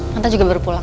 tante juga baru pulang